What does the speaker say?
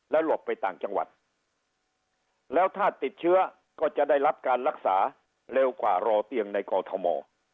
หลบไปต่างจังหวัดแล้วถ้าติดเชื้อก็จะได้รับการรักษาเร็วกว่ารอเตียงในกอทม